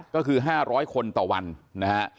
ก็คือ๕๐๐คนต่อวันนะฮะ